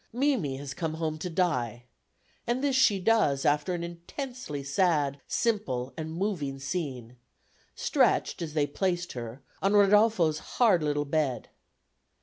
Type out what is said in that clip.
Mimi has come home to die, and this she does after an intensely sad, simple and moving scene, stretched, as they placed her, on Rodolfo's hard little bed.